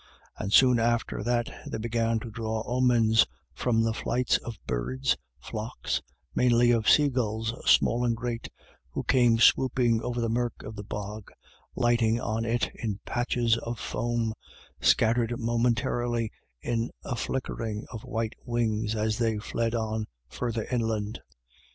And soon after that they began to draw omens from the flights of birds, flocks, mainly, of seagulls small and great, who came swooping over the mirk of the bog, lighting on it in patches of foam, scattered momently in a flickering of white wings as they fled on further inland.